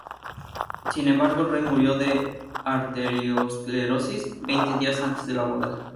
Sin embargo, el rey murió de arterioesclerosis veinte días antes de la boda.